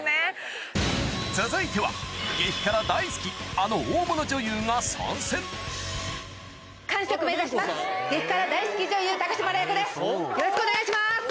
続いては激辛大好きあの大物女優が参戦よろしくお願いします！